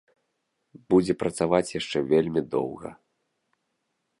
Будзе працаваць яшчэ вельмі доўга.